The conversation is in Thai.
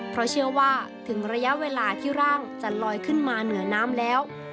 เพราะเชื่อว่าถึงระยะเวลาที่ร่างจะลอยขึ้นมาเหนือน้ำแล้ว